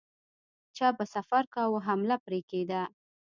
چا به سفر کاوه حمله پرې کېده.